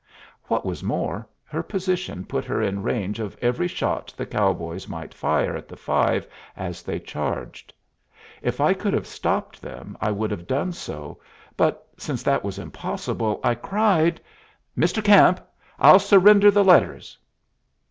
What was more, her position put her in range of every shot the cowboys might fire at the five as they charged. If I could have stopped them I would have done so, but, since that was impossible, I cried, "Mr. Camp, I'll surrender the letters."